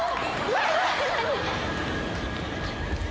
何？